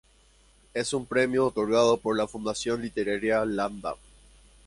Es un premio otorgado por la Fundación literaria lambda.